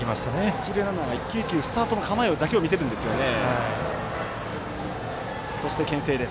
一塁ランナーが一球一球スタートの構えだけを見せるんですよね。